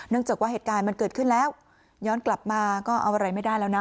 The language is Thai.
จากว่าเหตุการณ์มันเกิดขึ้นแล้วย้อนกลับมาก็เอาอะไรไม่ได้แล้วนะ